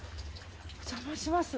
お邪魔します。